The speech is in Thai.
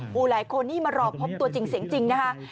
มีหลายคนที่มารอบพบตัวจริงจริงนะคะ